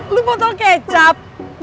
lu botol kecap